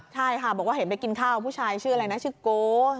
ใช่ค่ะบอกว่าเห็นไปกินข้าวผู้ชายชื่ออะไรนะชื่อโก